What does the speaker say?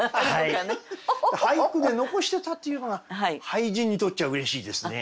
俳句で残してたっていうのが俳人にとっちゃうれしいですね。